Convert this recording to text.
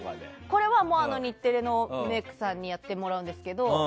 これは、日テレのメイクさんにやってもらうんですけど。